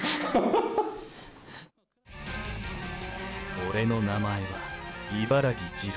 俺の名前は、茨城次郎。